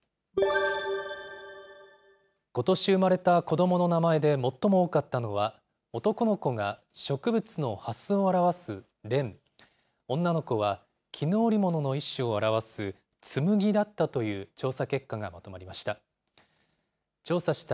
ことし産まれた子どもの名前で、最も多かったのは、男の子が植物のはすを表す蓮、女の子は絹織物の一種を表す紬だったという調査結果がまとまりました。